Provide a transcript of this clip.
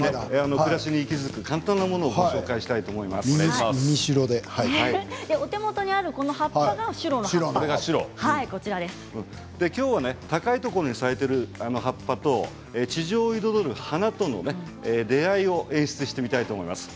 暮らしに息づく簡単なものをお手元にある葉っぱがきょう高いところに咲いている葉っぱと地上を彩る花との出会いを演出してみたいと思います。